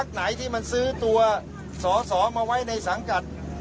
ใช่ค่ะ